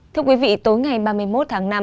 thưa quý vị tối ngày ba mươi một tháng năm